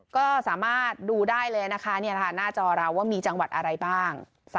ก็สามารถดูได้เลยนะคะหน้าจอเราว่ามีจังหวัดอะไรบ้าง